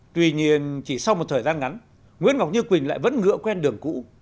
tuy nhiên chỉ sau một thời gian ngắn nguyễn ngọc như quỳnh lại vẫn ngựa quen đường cũ